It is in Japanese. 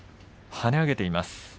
跳ね上げています。